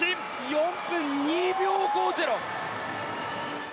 ４分２秒５０！？